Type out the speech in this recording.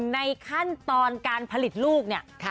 ในขั้นตอนการผลิตลูกเนี่ย